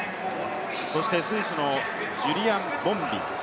そしてスイスのジュリアン・ボンビン。